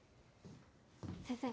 先生。